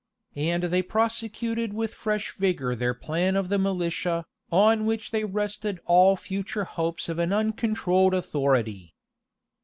[] And they prosecuted with fresh vigor their plan of the militia, on which they rested all future hopes of an uncontrolled authority.